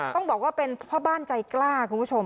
ต้องบอกว่าเป็นพ่อบ้านใจกล้าคุณผู้ชม